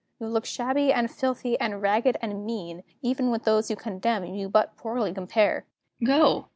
You look shabby, and filthy, and ragged, and mean E'en with those you condemn, you but poorly compare! Go!